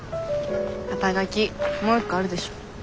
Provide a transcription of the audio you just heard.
肩書もう一個あるでしょ。